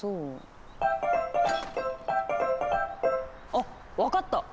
あっ分かった。